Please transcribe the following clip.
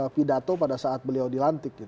pidato pada saat beliau dilantik